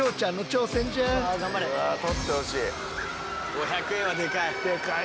５００円はでかい。